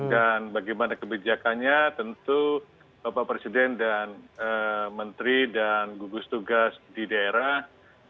dan bagaimana kebijakannya tentu bapak presiden dan menteri dan gugus tugas di daerah